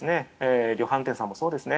量販店さんもそうですね。